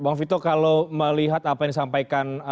bang vito kalau melihat apa yang disampaikan